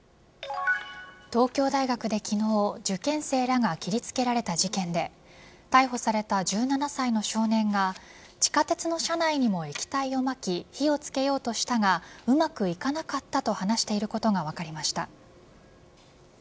東京大学で昨日受験生らが切りつけられた事件で逮捕された１７歳の少年が地下鉄の車内にも液体をまき火をつけようとしたがうまくいかなかったと話していることが分かりました。